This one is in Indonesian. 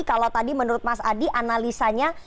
kalau tadi menurut mas adi analisanya